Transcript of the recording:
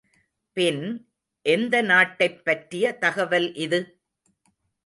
பின், எந்தநாட்டைப் பற்றிய தகவல் இது?